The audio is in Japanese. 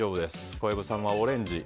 小籔さんはオレンジ。